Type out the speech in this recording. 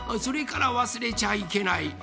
それからわすれちゃいけない